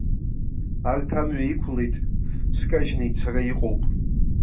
Арҭ амҩа иқәлеит, скажьны ицара иҟоуп!